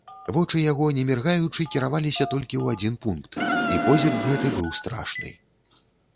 Вочы яго не міргаючы кіраваліся толькі ў адзін пункт, і позірк гэты быў страшны.